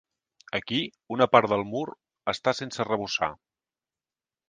Aquí, una part del mur està sense arrebossar.